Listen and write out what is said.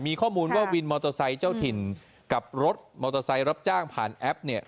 มีข้อมูลว่าวินมอเตอร์ไซค์เจ้าถิ่นกับรถมอเตอร์ไซค์รับจ้างผ่านแอปเนี่ย